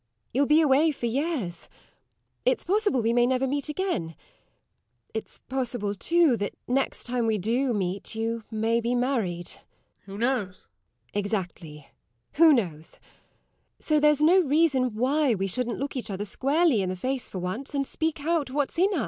You'll be away for years; it's possible we may never meet again. It's possible, too, that next time we do meet you may be married. SIR GEOFFREY. [With iron control.] Who knows? LADY TORMINSTER. Exactly who knows? So there's no reason why we shouldn't look each other squarely in the face for once, and speak out what's in us.